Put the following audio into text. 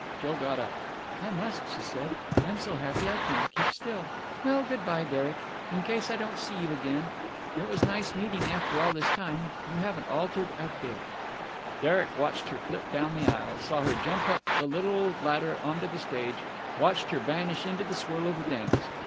Jill got up. "I must," she said. "I'm so happy I can't keep still. Well, good bye, Derek, in case I don't see you again. It was nice meeting after all this time. You haven't altered a bit!" Derek watched her flit down the aisle, saw her jump up the little ladder on to the stage, watched her vanish into the swirl of the dance.